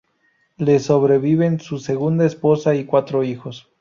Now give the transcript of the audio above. Le sobreviven su segunda esposa y cuatro hijos.